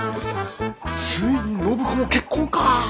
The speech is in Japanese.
ついに暢子も結婚かぁ。